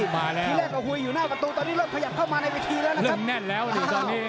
ที่แรกเอาฮุยอยู่หน้ากระตูตอนนี้เริ่มพยายามเข้ามาในวิธีแล้วนะครับ